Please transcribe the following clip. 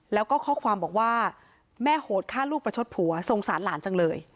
แล้วก็ข้อความบอกว่าแม่โหดฆ่าลูกประชดผัวสงสารหลานจังเลย